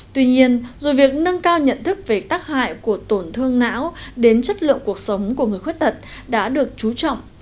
tuy nhiên dù việc nâng cao nhận thức về tác hại của tổn thương não đến chất lượng cuộc sống của người khuất tật đã được chú trọng